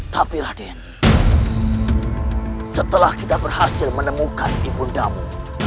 tapi raden setelah kita berhasil menemukan ibundamu